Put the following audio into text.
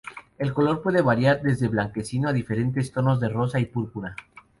El color puede variar desde blanquecino a diferentes tonos de rosa y púrpura.